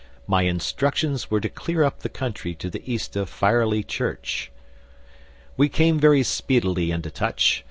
My instructions were to clear up the country to the east of Firely Church. "We came very speedily into touch.